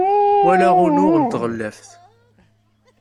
walaɣ unuɣ n tɣellaft